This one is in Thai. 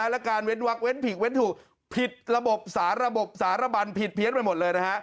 และการเว้นวักเว้นผิดเว้นถูกผิดระบบสาระบบสารบันผิดเพี้ยนไปหมดเลยนะฮะ